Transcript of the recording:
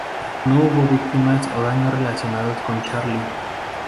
No hubo víctimas o daños relacionados con Charley.